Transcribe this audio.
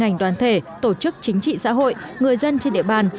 ngành đoàn thể tổ chức chính trị xã hội người dân trên địa bàn